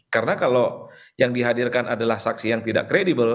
karena kalau yang dihadirkan adalah saksi yang tidak kredibel